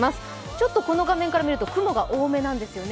ちょっとこの画面から見ると雲が多めなんですよね。